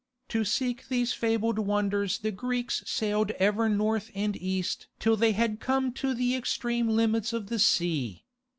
To seek these fabled wonders the Greeks sailed ever North and East till they had come to the extreme limits of the sea.